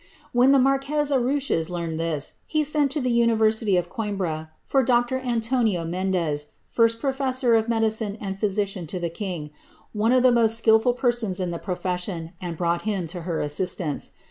When the marquez Arrouches learned this, he It to the university of Coimbra for Dr. Antonio Mendes, first professor medicine and physician to the king, one of the most skilful persons the profession, and brought him to her assistance.